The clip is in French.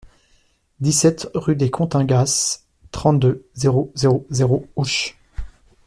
dix-sept rue des Cotingas, trente-deux, zéro zéro zéro, Auch